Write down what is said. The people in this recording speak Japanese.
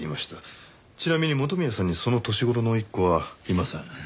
ちなみに元宮さんにその年頃の甥っ子はいません。